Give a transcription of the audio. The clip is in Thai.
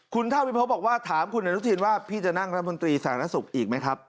คุณเท่าพิภพบอกว่าถามคุณอนุทินว่าพี่จะนั่งทางธนตรีศาสนสุขอีกหมดไหมครับ